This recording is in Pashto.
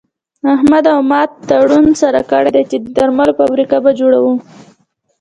احمد او ما تړون سره کړی دی چې د درملو فابريکه به جوړوو.